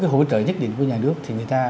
hỗ trợ nhất định của nhà nước thì người ta